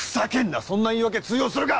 そんな言い訳が通用するか！